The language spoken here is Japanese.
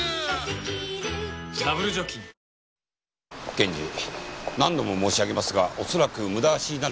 検事何度も申し上げますがおそらく無駄足になるかと。